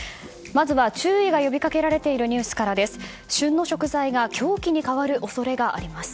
まずは注意が呼びかけられているニュースからです。